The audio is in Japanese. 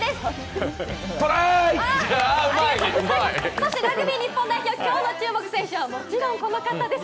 そしてラグビー日本代表、きょうの注目選手は、もちろんこの方です。